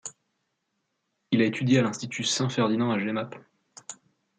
Il a étudié à l'Institut Saint-Ferdinand à Jemappes.